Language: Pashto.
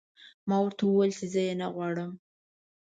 ما ورته وویل چې زه یې نه غواړم